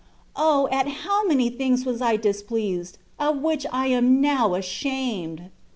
O ! at how many things was I dis pleased, of which I am now ashamed